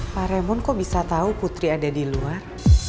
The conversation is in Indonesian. pak remon kok bisa tahu putri ada di luar